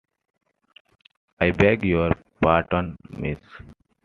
I beg your pardon, miss!